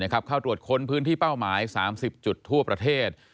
เข้าตรวจค้นพื้นที่เป้าหมาย๓๐จุดทั่วประเทศ